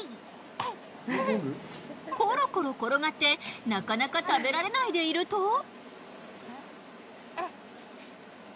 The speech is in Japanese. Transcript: コロコロ転がってなかなか食べられないでいると。